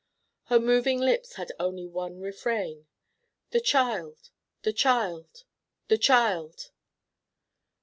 Her moving lips had only one refrain: "The child, the child, the child."